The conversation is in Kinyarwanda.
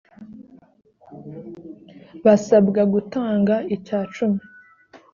basabwa gutanga icya cumi